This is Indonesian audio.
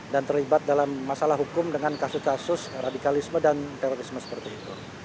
dan terlibat dalam masalah hukum dengan kasus kasus radikalisme dan terorisme seperti itu